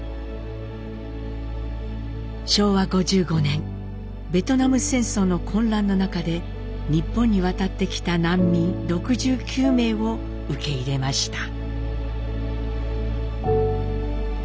昭和５５年ベトナム戦争の混乱の中で日本に渡ってきた難民６９名を受け入れました。